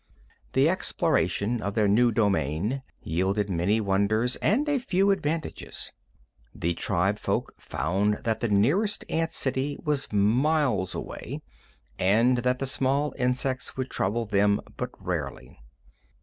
The exploration of their new domain yielded many wonders and a few advantages. The tribefolk found that the nearest ant city was miles away, and that the small insects would trouble them but rarely.